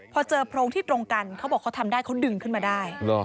พอเจอโพรงที่ตรงกันเขาบอกเขาทำได้เขาดึงขึ้นมาได้